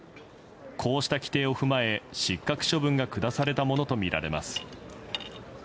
こうした規定を踏まえ失格処分が下されたものとみられます。